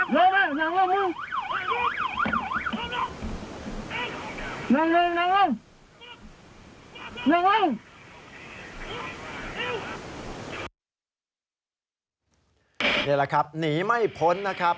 นี่แหละครับหนีไม่พ้นนะครับ